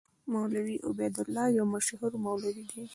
مولوي عبیدالله یو مشهور مولوي دی.